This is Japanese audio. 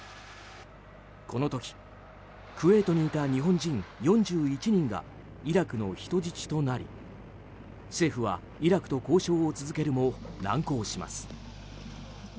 この時、クウェートにいた日本人４１人がイラクの人質となり政府は、イラクと交渉を続けるも難航します。